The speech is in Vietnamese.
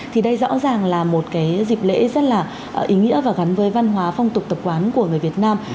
thì đây rõ ràng là một cái dịp lễ rất là ý nghĩa và gắn với văn hóa phong tục tập quán của người việt nam